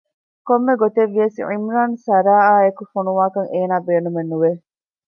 ކޮންމެ ގޮތެއްވިޔަސް ޢިމްރާން ސަރާއާއެކު ފޮނުވާކަށް އޭނާ ބޭނުމެއް ނުވެ